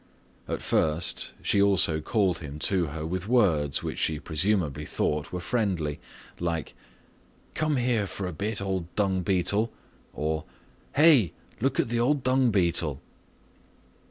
At first, she also called him to her with words which she presumably thought were friendly, like "Come here for a bit, old dung beetle!" or "Hey, look at the old dung beetle!"